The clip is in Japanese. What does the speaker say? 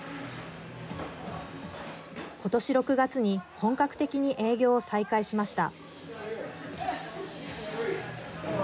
ことし６月に本格的に営業を再開しました。